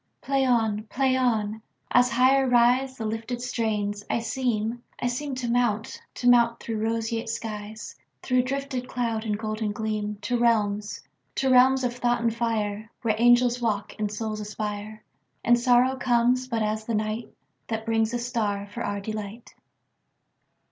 Play on! Play on! As higher riseThe lifted strains, I seem, I seemTo mount, to mount through roseate skies, Through drifted cloud and golden gleam, To realms, to realms of thought and fire, Where angels walk and souls aspire, And sorrow comes but as the nightThat brings a star for our delight.